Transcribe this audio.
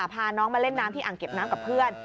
พาน้องมาเล่นน้ำที่อ่างเก็บน้ำกับเพื่อน